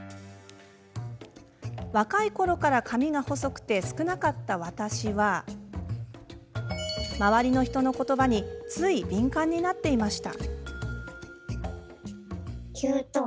若いころから髪が細くて少なかった私は周りの人のことばについ敏感になっていました。